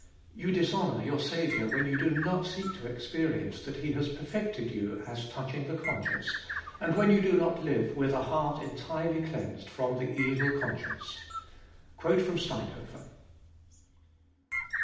You dishonour your Saviour when you do not seek to experience that He has perfected you as touching the conscience, and when you do not live with a heart entirely cleansed from the evil conscience."— STEINHOFER.